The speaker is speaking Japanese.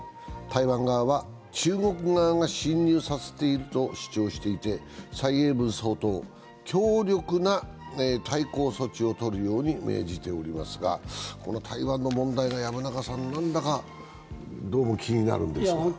台湾側は中国側が進入させていると主張していて蔡英文総統、強力な対抗措置をとるように命じていますが、この台湾の問題が何だかどうも気になるんですが。